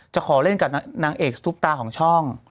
ขอเล่นกับนางเอกซุปตาของช่อง